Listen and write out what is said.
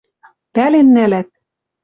Пӓлен нӓлӓт